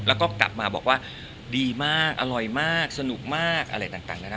แล้วก็กลับมาบอกว่าดีมากอร่อยมากสนุกมากอะไรต่างนานา